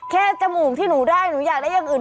จมูกที่หนูได้หนูอยากได้อย่างอื่น